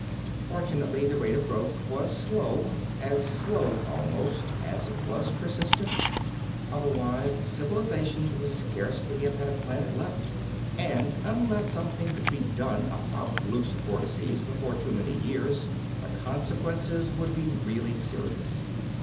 Fortunately, the rate of growth was slow—as slow, almost, as it was persistent—otherwise Civilization would scarcely have had a planet left. And unless something could be done about loose vortices before too many years, the consequences would be really serious.